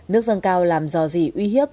nước dâng cao làm dò dỉ uy hiếp